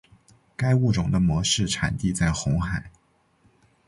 该物种的模式产地在红海。